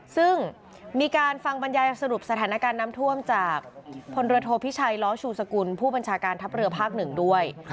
ซึ่งมีการฟังบรรยายสรุปสถานการณ์น้ำท่วมจากพลเรือโทพิชัยล้อชูสกุลผู้บัญชาการทัพเรือภาคหนึ่งด้วย